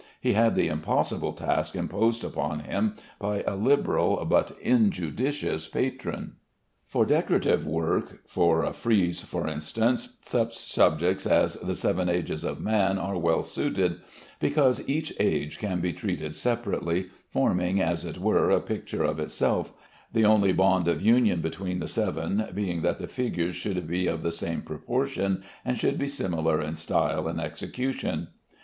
He had the impossible task imposed upon him by a liberal but injudicious patron. For decorative work (for a frieze, for instance) such subjects as the "seven ages of man" are well suited, because each "age" can be treated separately, forming as it were a picture of itself, the only bond of union between the seven being that the figures should be of the same proportion, and should be similar in style and execution.